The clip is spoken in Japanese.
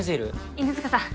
犬塚さん